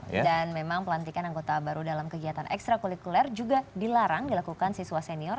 dan memang pelantikan anggota baru dalam kegiatan ekstra kulikuler juga dilarang dilakukan siswa senior tanpa melibatkan guru